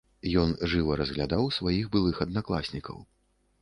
Ён жыва разглядаў сваіх былых аднакласнікаў.